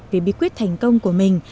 về bí quyết thành công của mình